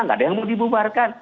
nggak ada yang mau dibubarkan